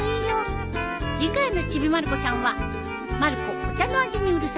次回の『ちびまる子ちゃん』は。